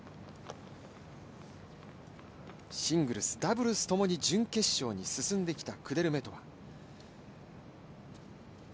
シングルス、ダブルスともに準決勝に進んできたクデルメトワ。